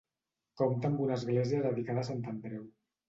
Compta amb una església dedicada a Sant Andreu.